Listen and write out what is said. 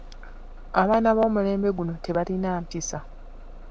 Abaana b'omulembe guno tebalina mpisa.